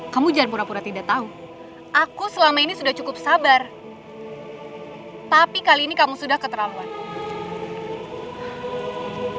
kamu jarang pura pura tidak tahu aku selama ini sudah cukup sabar tapi kali ini kamu sudah ke terlalu pan um tapi rasa ulang aku bena cukup aku sudah tidak mau dengar alasan kamu lagi